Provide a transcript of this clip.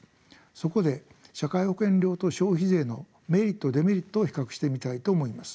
そこで社会保険料と消費税のメリットデメリットを比較してみたいと思います。